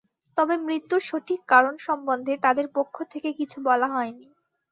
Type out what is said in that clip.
তবে মৃত্যুর সঠিক কারণ সম্বন্ধে তাদের পক্ষ থেকে কিছু বলা হয়নি।